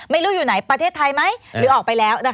ไม่รู้อยู่ไหนประเทศไทยไหมหรือออกไปแล้วนะคะ